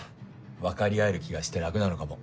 分かり合える気がして楽なのかも。